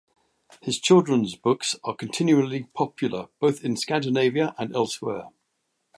His children's books are continually popular, both in Scandinavia and elsewhere.